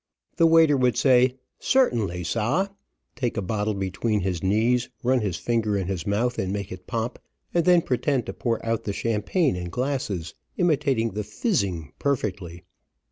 The waiter would say, "Certainly, sah," take a bottle between his knees, run his finger in his mouth and make it pop, and then pretend to pour out the champagne in glasses, imitating the "fizzing" perfectly.